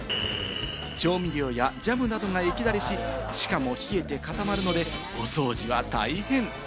調味料やジャムなどが液垂れし、しかも冷えて固まるので、お掃除は大変。